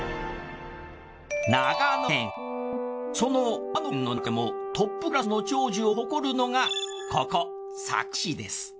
その長野県のなかでもトップクラスの長寿を誇るのがここ佐久市です。